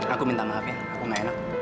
aku minta maaf ya aku gak enak